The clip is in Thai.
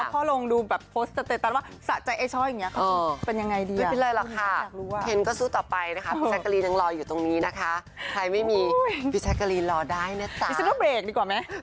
ถ้าเกิดว่าเลิกกันไปกับลูกสาวนักแสดงตลก